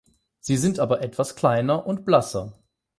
Sie sind aber etwas kleiner und blasser.